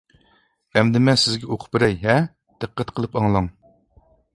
ئەمدى مەن سىزگە ئوقۇپ بېرەي، ھە، دىققەت قىلىپ ئاڭلاڭ.